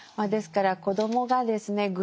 ですから子どもがですね